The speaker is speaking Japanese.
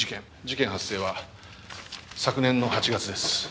事件発生は昨年の８月です。